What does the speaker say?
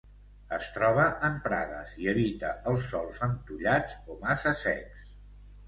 Es troba en prades i evita els sòls entollats o massa secs.